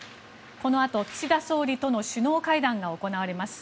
このあと岸田総理との首脳会談が行われます。